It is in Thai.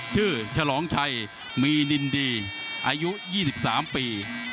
ชื่อชะหลองชัยมีนินดีอายุ๒๓ปี